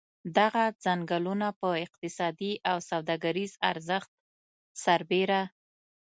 دغه څنګلونه په اقتصادي او سوداګریز ارزښت سربېره.